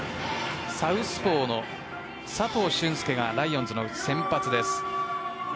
サウスポーの佐藤隼輔がライオンズの先発です。